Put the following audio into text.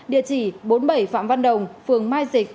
địa chỉ bốn mươi bảy phạm văn đồng phường mai dịch